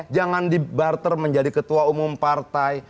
jangan dibarter menjadi ketua umum partai